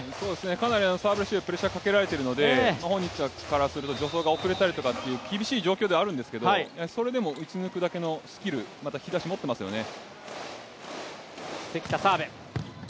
かなりサーブレシーブのプレッシャーをかけられてるので本人からすると助走が遅れたりとか厳しい状況ではあるんですけどそれでも打ち抜くだけのスキル、また引き出し持っていますよね。